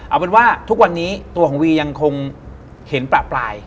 เอาเป็นว่าทุกวันนี้ตัวของวียังคงเห็นประปราย